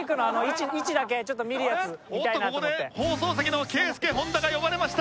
おっとここで放送席のケイスケ・ホンダが呼ばれました。